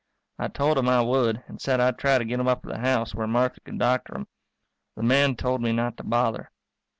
I told him I would, and said I'd try to get him up to the house where Marthy could doctor him. The man told me not to bother.